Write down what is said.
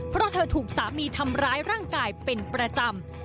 เพราะเธอถูกสามีทำร้ายร่างกายเป็นประจำ